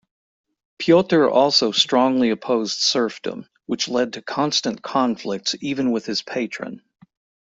Piotr also strongly opposed serfdom, which led to constant conflicts even with his patron.